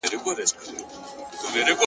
هره شېبه؛